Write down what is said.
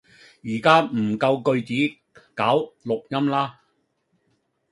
而家唔夠句子搞錄音喇